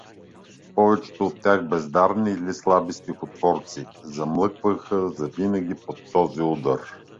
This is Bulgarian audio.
Повечето от тях — бездарни или слаби стихотворци — замлъкваха завинаги под този удар.